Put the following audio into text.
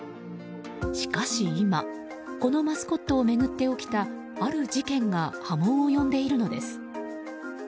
しかし今、このマスコットを巡って起きたある事件が波紋を呼んでいるのです。